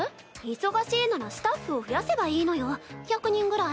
忙しいならスタッフを増やせばいいのよ１００人ぐらい。